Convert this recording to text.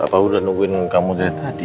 apa udah nungguin kamu dari tadi